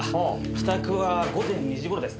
帰宅は午前２時頃ですね。